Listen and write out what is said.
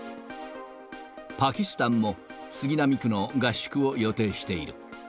パキスタンも、杉並区の合宿を予定している。